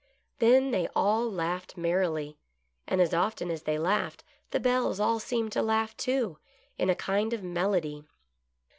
Then they all laughed merrily, and as often as they laughed, the bells all seemed to laugh too, in a kind of melody.